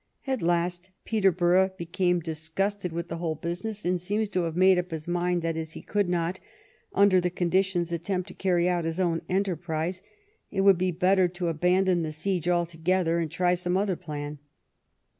At last Peterborough became disgusted with the whole business, and seems to have made up his mind that, as he could not, under the conditions, attempt to carry out his own enterprise, it would be better to abandon the siege altogether and try some other plan.